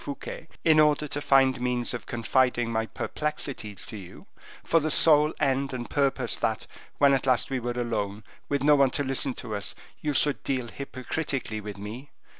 Fouquet, in order to find means of confiding my perplexities to you, for the sole end and purpose that, when at last we were alone, with no one to listen to us, you should deal hypocritically with me.